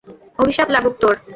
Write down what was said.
অভিশাপ লাগুক তোর!